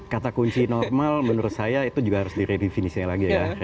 kata kunci normal menurut saya itu juga harus diredefinisi lagi ya